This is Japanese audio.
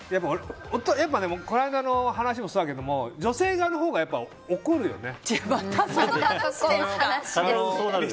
この間の話もそうだけど女性側のほうが怒るよね。